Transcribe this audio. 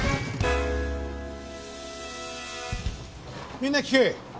みんな聞け。